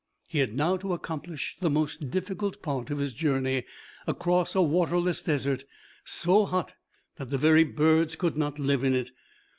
He had now to accomplish the most difficult part of his journey, across a waterless desert, so hot that the very birds could not live in it.